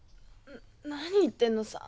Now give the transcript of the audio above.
何言ってんのさ。